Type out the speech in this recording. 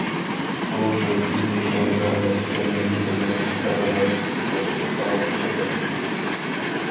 ئۇ بىر كۈنى ئوردا لەشكەرلىرى بىلەن شىكارغا چىقىپتۇ. ئاھ، خۇدا!